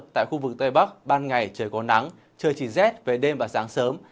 tại khu vực tây bắc ban ngày trời có nắng trời chỉ rét về đêm và sáng sớm